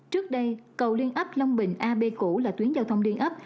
trước đây cầu liên ấp long bình a b cũ là tuyến giao thông liên ấp